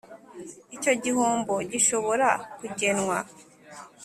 icyo gihombo gishobora kugenwa